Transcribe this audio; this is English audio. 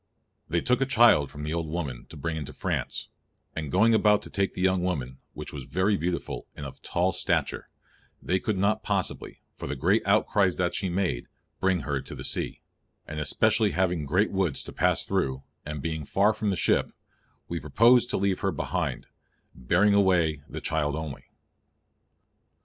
_They took a child from the old woman to bring into France; and going about to take the young woman, which was very beautiful, and of tall stature_, they could not possibly, for the great outcries that she made, bring her to the sea; and especially having great woods to pass thorow, and being far from the ship, we proposed to leave her behind, bearing away the child only."